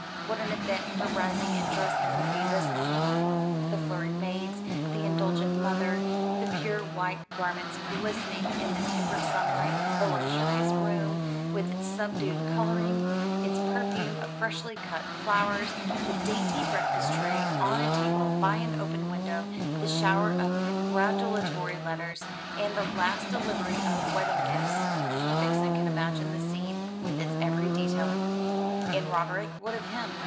What an event her rising and dressing would be this morning the flurried maids, the indulgent mother; the pure white garments, glistening in the tempered sunlight; the luxurious room, with its subdued colouring, its perfume of freshly cut flowers; the dainty breakfast tray, on a table by an open window; the shower of congratulatory letters, and the last delivery of wedding gifts. Vixen could imagine the scene, with its every detail. And Roderick, what of him?